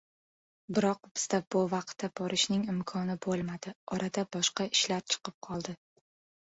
Biroq bizda bu vaqtda borishning imkoni boʻlmadi – orada boshqa ishlar chiqib qoldi.